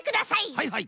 はいはい。